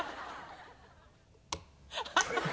ハハハハ！